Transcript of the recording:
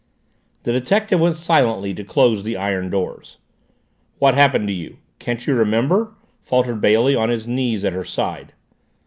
The detective went silently to close the iron doors. "What happened to you? Can't you remember?" faltered Bailey, on his knees at her side.